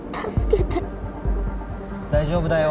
大丈夫だよ。